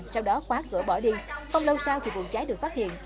sau đó khóa cửa bỏ đi không lâu sau thì vụ cháy được phát hiện